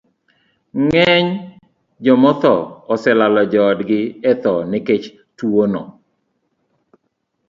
Ng'eny jomotho oselalo joodgi etho nikech tuwono.